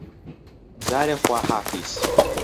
جارێ خواحافیز